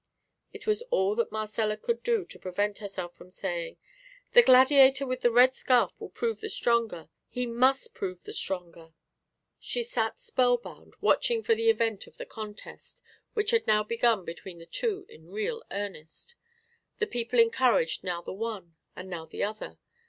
It was all that Marcella could do to prevent herself from saying, "The gladiator with the red scarf will prove the stronger he must prove the stronger." She sat spell bound, watching for the event of the contest, which had now begun between the two in real earnest. The people encouraged now the one and now the other.